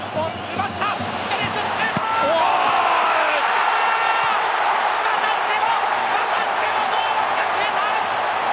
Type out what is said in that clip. またしても、またしても堂安が決めた！